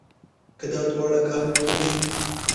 که دا دواړه کارونه ونه شي.